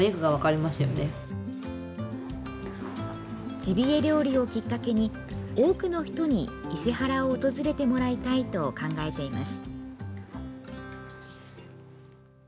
ジビエ料理をきっかけに多くの人に伊勢原を訪れてもらいたいと考えています。